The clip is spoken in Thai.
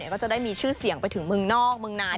ก็จะได้มีชื่อเสียงไปถึงเมืองนอกเมืองนาน